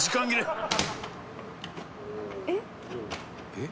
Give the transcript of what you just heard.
「えっ？」